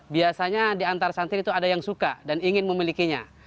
biasanya di antar santri itu ada yang suka dan ingin memilikinya